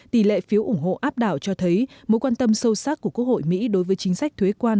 tỷ lệ phiếu ủng hộ áp đảo cho thấy mối quan tâm sâu sắc của quốc hội mỹ đối với chính sách thuế quan